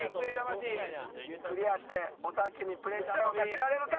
クリアしておたけにプレッシャーをかけられるか？